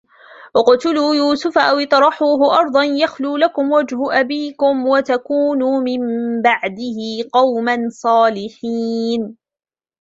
اقتلوا يوسف أو اطرحوه أرضا يخل لكم وجه أبيكم وتكونوا من بعده قوما صالحين